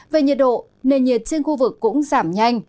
về nhiệt độ nền nhiệt trên khu vực cũng giảm nhanh